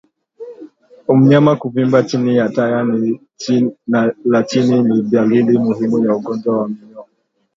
Mnyama kuvimba chini ya taya la chini ni dalili muhimu ya ugonjwa wa minyoo